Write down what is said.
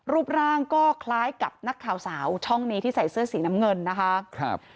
รูปร่างก็คล้ายกับนักข่าวสาวช่องนี้ที่ใส่เสื้อสีน้ำเงินนะคะ